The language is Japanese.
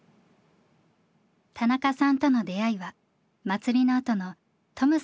田中さんとの出会いは祭りのあとのトムさんの家でした。